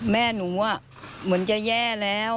แม่หนูเหมือนจะแย่แล้ว